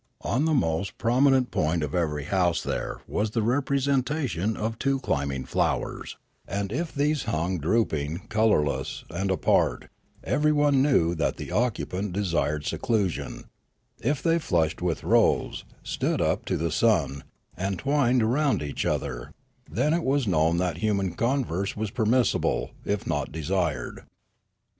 On the most prominent point of every house there was the representation of two climbing flowers; and if these hung drooping, colourless, and apart, everyone knew that the occupant desired seclusion ; if they flushed with rose, stood up to the sun, and twined round each other, then was it known that human converse was permissible, if not desired.